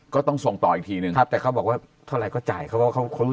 ก็ต้องส่งต่ออีกทีนึงแต่เขาบอกว่าเท่าไหร่ก็จ่ายเขารู้